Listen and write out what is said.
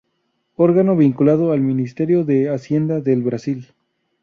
Órgano vinculado al Ministerio de Hacienda del Brasil.